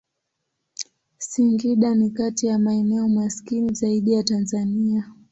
Singida ni kati ya maeneo maskini zaidi ya Tanzania.